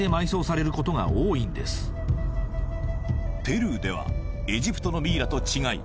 ペルーではエジプトのミイラと違い